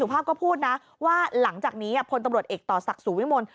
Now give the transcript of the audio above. ภาพก็พูดนะว่าหลังจากนี้พลตำรวจเอกต่อศักดิ์สุวิมล